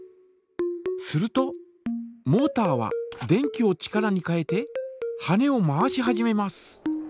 するとモータは電気を力に変えて羽根を回し始めます。